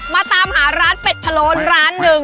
มาตามหาร้านเป็ดพะโล้นร้านหนึ่ง